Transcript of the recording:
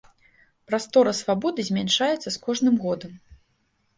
Прастора свабоды змяншаецца з кожным годам.